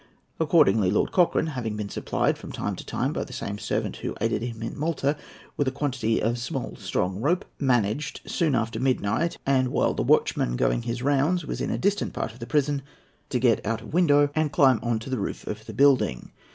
Accordingly Lord Cochrane, having been supplied, from time to time, by the same servant who had aided him at Malta, with a quantity of small strong rope, managed, soon after midnight, and while the watchman going his rounds was in a distant part of the prison, to get out of window and climb on to the roof of the building.